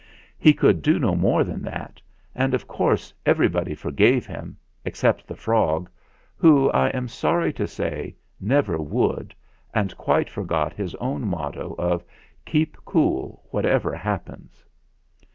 He could do no more than that, and of course everybody forgave him except the frog, who, I am sorry to say, never would, and quite forgot his own motto of "Keep cool whatever happens."